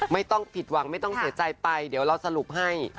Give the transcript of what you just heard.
ไม่ต้องผิดหวังไม่ต้องเสียใจไปเดี๋ยวเราสรุปให้